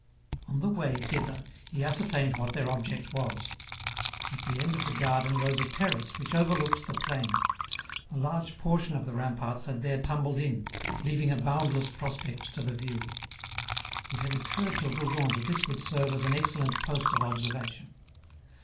On the way thither he ascertained what their object was. At the end of the garden rose a terrace which overlooked the plain. A large portion of the ramparts had there tumbled in, leaving a boundless prospect to the view. It had occurred to Rougon that this would serve as an excellent post of observation.